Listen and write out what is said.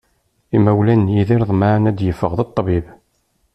Imawlan n Yidir ḍemεen ad d-iffeɣ d ṭṭbib.